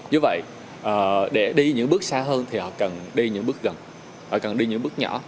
như vậy để đi những bước xa hơn thì họ cần đi những bước gần họ cần đi những bước nhỏ